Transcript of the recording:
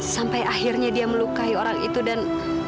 sampai akhirnya dia melukai orang itu dan